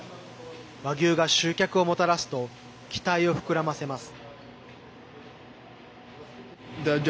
和牛が集客をもたらすと期待を膨らませます。